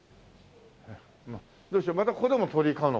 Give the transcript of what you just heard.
どうしようまたここでも鳥居買うのかな？